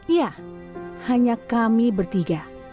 ya hanya kami bertiga